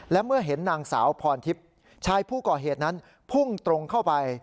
และเมื่อเห็นนางสาวพรทิพย์ชายผู้ก่อเหตุนั้นพุ่งตรงเข้าไป